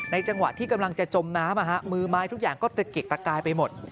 จังหวะที่กำลังจะจมน้ำมือไม้ทุกอย่างก็ตะเกกตะกายไปหมด